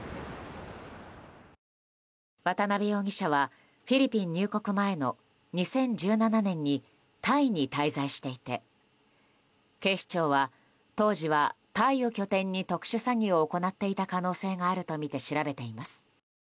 渡邉容疑者はフィリピン入国前の２０１７年にタイに滞在していて警視庁は、当時はタイを拠点に特殊詐欺を行っていた可能性があるとみて調べています。